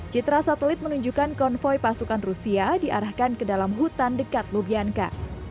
citra satelit menunjukkan konvoy pasukan rusia diarahkan ke dalam hutan dekat lubianka